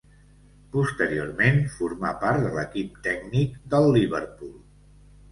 Posteriorment formà part de l'equip tècnic del Liverpool.